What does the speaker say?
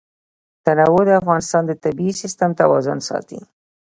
تنوع د افغانستان د طبعي سیسټم توازن ساتي.